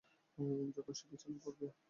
যখন সে বিছানায় পড়বে।